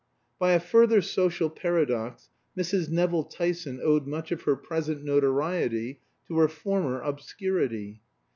By a further social paradox, Mrs. Nevill Tyson owed much of her present notoriety to her former obscurity.